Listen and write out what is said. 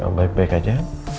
kalau baik baik aja